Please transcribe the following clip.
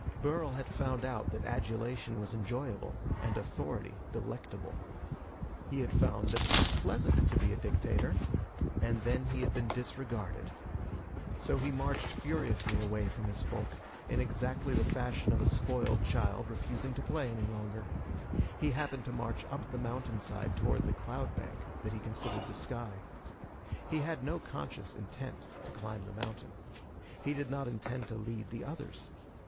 Burl had found out that adulation was enjoyable and authority delectable. He had found that it was pleasant to be a dictator. And then he had been disregarded. So he marched furiously away from his folk, in exactly the fashion of a spoiled child refusing to play any longer. He happened to march up the mountainside toward the cloud bank that he considered the sky. He had no conscious intent to climb the mountain. He did not intend to lead the others.